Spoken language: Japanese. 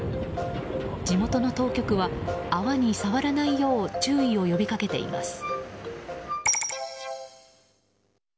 地元の当局は泡に触らないよう注意を呼びかけています。